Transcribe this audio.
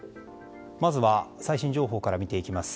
まずは最新情報から見ていきます。